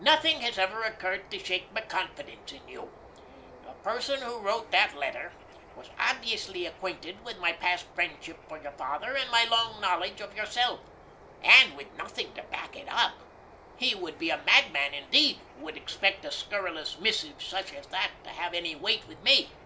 Nothing has ever occurred to shake my confidence in you. The person who wrote that letter was obviously acquainted with my past friendship for your father and my long knowledge of yourself, and, with nothing to back it up, he would be a madman indeed who would expect a scurrilous missive such as that to have any weight with me.